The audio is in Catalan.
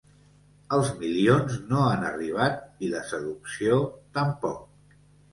Els milions no han arribat i la seducció, tampoc.